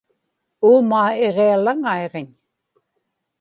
uumaa iġialaŋaiġiñ